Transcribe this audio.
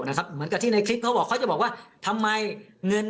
เหมือนกับที่ในคลิปเขาบอกเขาจะบอกว่าทำไมเงิน